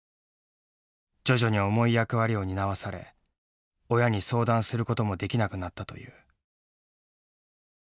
徐々に重い役割を担わされ親に相談することもできなくなったという。